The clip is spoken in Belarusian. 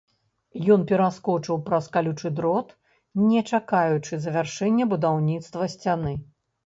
Ён пераскочыў праз калючы дрот, не чакаючы завяршэння будаўніцтва сцяны.